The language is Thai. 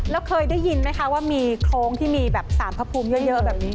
แล้วเคยได้ยินไหมคะว่ามีโครงที่มีแบบสารพระภูมิเยอะแบบนี้